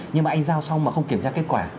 nhưng mà anh giao xong mà không kiểm tra kết quả